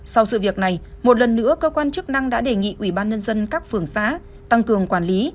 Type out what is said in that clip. sau sự việc này một lần nữa cơ quan chức năng đã đề nghị ủy ban nhân dân các phường xã tăng cường quản lý